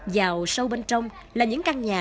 giàu sâu bên trong là những căn nhà